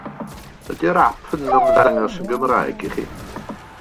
Ydy'r ap yn ymddangos yn Gymraeg i chi?